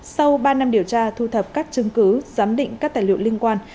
sau ba năm điều tra thu thập các chứng cứ giám định các tài liệu liên quan